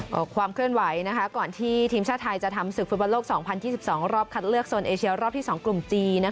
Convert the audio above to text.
ก็ความเคลื่อนไหวก่อนที่ทีมชาติไทยจะทำศึกฟุตบอลโลก๒๐๒๒รอบคัดเลือกโซนเอเชียรอบที่๒กลุ่มจีน